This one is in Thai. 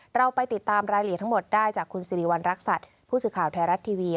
เราไปติดตามรายละเอียดทั้งหมดได้จากคุณสิริวัณรักษัตริย์ผู้สื่อข่าวไทยรัฐทีวี